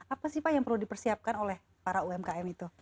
apa sih pak yang perlu dipersiapkan oleh para umkm itu